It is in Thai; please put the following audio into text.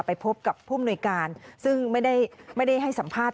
ไปพบกับผู้มนุยการซึ่งไม่ได้ให้สัมภาษณ์